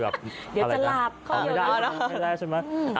เดี๋ยวจะหลาบค่ะไม่ได้ไม่ได้ใช่ไหม